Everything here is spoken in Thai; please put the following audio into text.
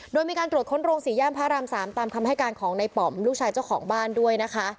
โดยมีการตรวจค้นโรงสี่ย่านพระราม๓ตามคำให้การของในป๋อมลูกชายเจ้าของบ้านด้วยนะคะ